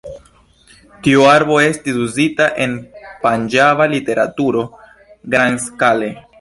Tiu arbo estis uzita en panĝaba literaturo grandskale.